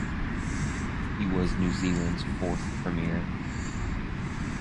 He was New Zealand's fourth Premier.